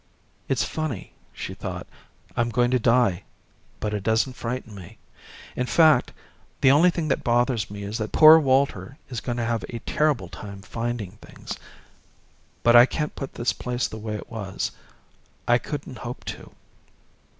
It's funny, she thought. I'm going to die, but it doesn't frighten me. In fact, the only thing that bothers me is that poor Walter is going to have a terrible time finding things. But I can't put this place the way it was. I couldn't hope to.